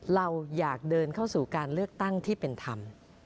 เราอยากเดินเข้าสู่การเลือกตั้งที่เป็นธรรม